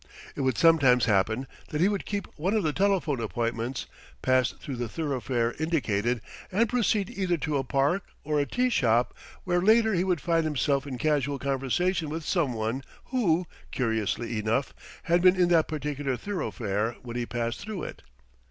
It would sometimes happen that he would keep one of the telephone appointments, pass through the thoroughfare indicated, and proceed either to a park or a tea shop, where later he would find himself in casual conversation with someone who, curiously enough, had been in that particular thoroughfare when he passed through it.